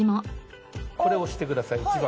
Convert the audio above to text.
これを押してください１番。